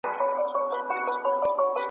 دوست ته حال وایه دښمن ته لافي وهه .